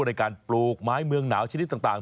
ในการปลูกไม้เมืองหนาวชนิดต่าง